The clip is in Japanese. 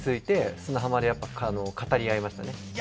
砂浜で語り合いましたね。